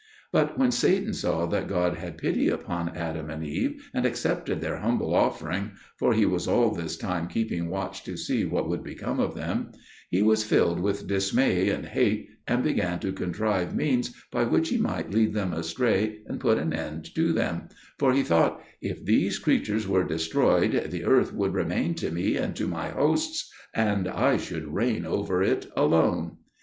But when Satan saw that God had pity upon Adam and Eve and accepted their humble offering for he was all this time keeping watch to see what would become of them he was filled with dismay and hate, and began to contrive means by which he might lead them astray and put an end to them; for he thought, "If these creatures were destroyed, the earth would remain to me and to my hosts, and I should reign over it alone."